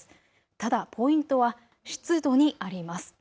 ただポイントは湿度にあります。